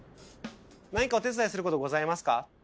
何かお手伝いすることはございますか？